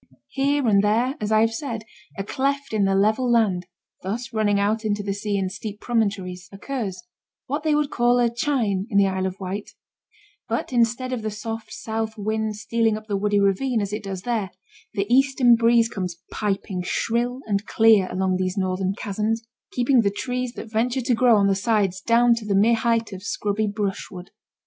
Here and there, as I have said, a cleft in the level land (thus running out into the sea in steep promontories) occurs what they would call a 'chine' in the Isle of Wight; but instead of the soft south wind stealing up the woody ravine, as it does there, the eastern breeze comes piping shrill and clear along these northern chasms, keeping the trees that venture to grow on the sides down to the mere height of scrubby brushwood.